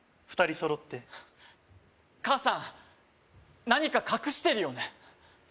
２人揃って母さん何か隠してるよね